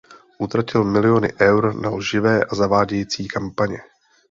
Utratil miliony eur na lživé a zavádějící kampaně.